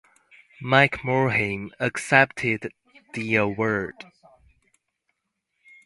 Mike Morhaime accepted the award.